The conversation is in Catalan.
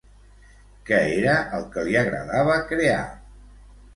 Què era el que li agradava crear?